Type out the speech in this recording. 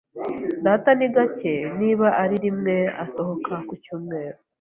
Data ni gake, niba ari rimwe, asohoka ku cyumweru.